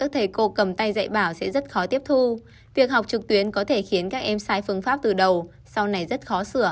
thu việc học trực tuyến có thể khiến các em sai phương pháp từ đầu sau này rất khó sửa